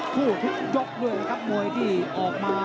ถึงหลาก